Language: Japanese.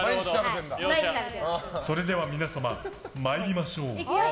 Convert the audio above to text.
それでは皆様、参りましょう。